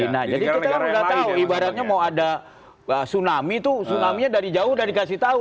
nah jadi kita kan udah tau ibaratnya mau ada tsunami tuh tsunaminya dari jauh udah dikasih tau